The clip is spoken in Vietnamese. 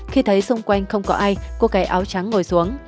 khi thấy xung quanh không có ai cô cái áo trắng ngồi xuống